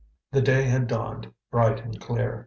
The day had dawned bright and clear.